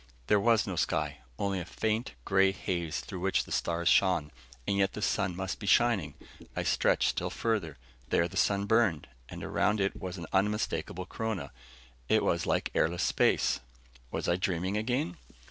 There was no sky, only a faint gray haze through which the stars shone. And yet the sun must be shining. I stretched still further. There the sun burned, and around it was an unmistakable corona. It was like airless space. Was I dreaming again?